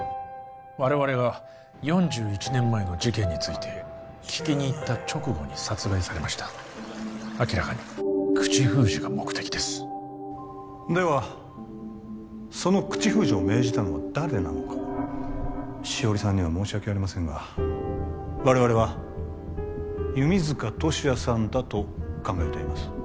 我々が４１年前の事件について聞きに行った直後に殺害されました明らかに口封じが目的ですではその口封じを命じたのは誰なのか汐里さんには申し訳ありませんが我々は弓塚敏也さんだと考えています